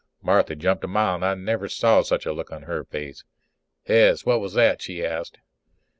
Marthy jumped a mile and I never saw such a look on her face. "Hez, what was that?" she asked.